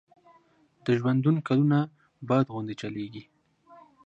د ژوندون کلونه باد غوندي چلیږي